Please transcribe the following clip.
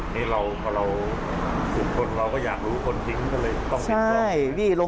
พอเราฝุมคนเราก็อยากรู้ว่าคนทิ้งก็เลยลงทุนติดกล้อง